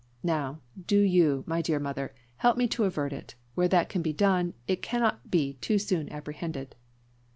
Now, do you, my dear mother, help me to avert it; where that can be done, it cannot be too soon apprehended."